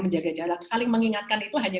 menjaga jarak saling mengingatkan itu hanya